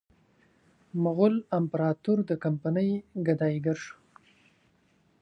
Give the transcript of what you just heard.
مغول امپراطور د کمپنۍ ګدایي ګر شو.